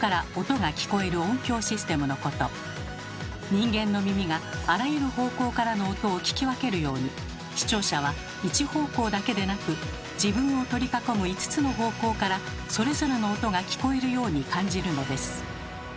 人間の耳があらゆる方向からの音を聞き分けるように視聴者は１方向だけでなく自分を取り囲む５つの方向からそれぞれの音が聞こえるように感じるのです。